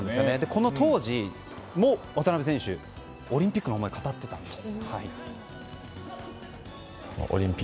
この当時も渡邉選手オリンピックへの思いを語ってたんです。